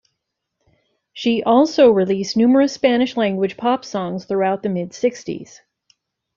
She also released numerous Spanish-language pop songs throughout the mid-sixties.